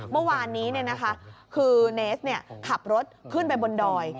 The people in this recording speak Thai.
เมื่อวานนี้คือเนสขับรถขึ้นไปบนดอย